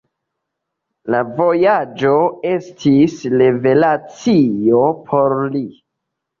La vojaĝo estis revelacio por li.